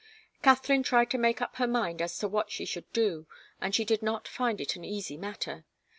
Katharine tried to make up her mind as to what she should do, and she did not find it an easy matter.